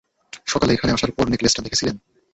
সকালে এখানে আসার পর নেকলেসটা দেখেছিলেন?